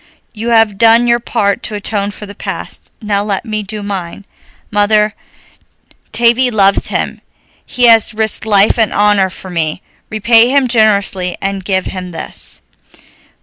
You have done your part to atone for the past, now let me do mine. Mother, Tavie loves him, he has risked life and honor for me. Repay him generously and give him this."